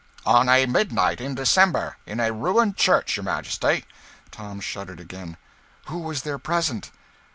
"On a midnight in December, in a ruined church, your Majesty." Tom shuddered again. "Who was there present?"